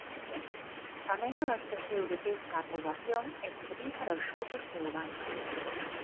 Tamén abasteceu de pesca á poboación e serviu para os xogos e o baño.